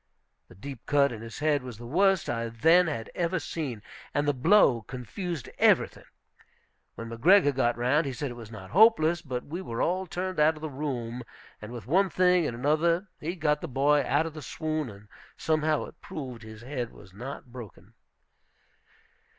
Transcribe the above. "The deep cut in his head" was the worst I then had ever seen, and the blow confused everything. When McGregor got round, he said it was not hopeless; but we were all turned out of the room, and with one thing and another he got the boy out of the swoon, and somehow it proved his head was not broken.